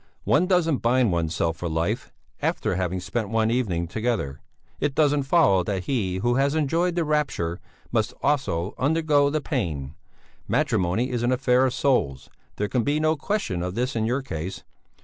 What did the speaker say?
One doesn't bind oneself for life after having spent one evening together; it doesn't follow that he who has enjoyed the rapture, must also undergo the pain. Matrimony is an affair of souls; there can be no question of this in your case.